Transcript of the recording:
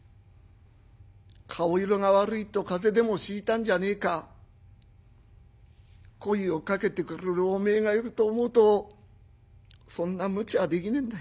顔色が悪いと風邪でもしいたんじゃねえか声をかけてくれるおめえがいると思うとそんなむちゃはできねえんだい。